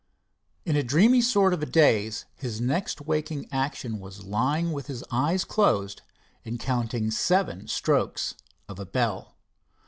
In a dreamy sort of a daze, his next waking action was lying with his eyes closed and counting seven strokes of a bell.